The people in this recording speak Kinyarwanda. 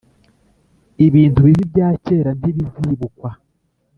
ibintu bibi bya kera ntibizibukwa